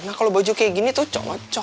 nah kalau baju kayak gini tuh cocok